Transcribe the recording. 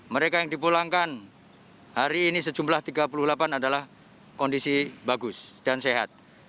mereka yang dipulangkan hari ini sejumlah tiga puluh delapan adalah kondisi bagus dan sehat